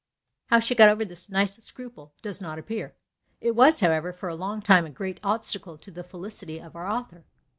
How she got over this nice scruple does not appear; it was, however, for a long time a great obstacle to the felicity of our author.